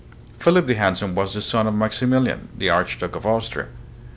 Philip the Handsome was the son of Maximilian, the Archduke of Austria.